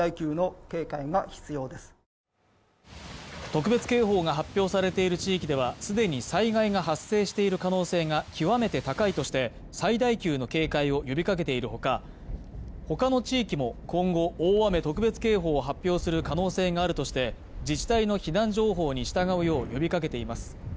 特別警報が発表されている地域では既に災害が発生している可能性が極めて高いとして、最大級の警戒を呼びかけているほか、他の地域も、今後大雨特別警報を発表する可能性があるとして、自治体の避難情報に従うよう呼びかけています。